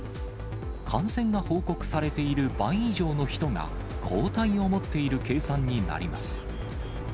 感染が報告されている倍以上の人が、抗体を持っている計算になります。